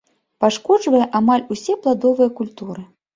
Пашкоджвае амаль усе пладовыя культуры.